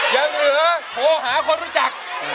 ยังเหลือโทรหาคนรู้จัก